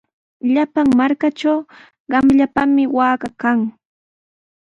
Llapan markatraw qamllapami waaka kan.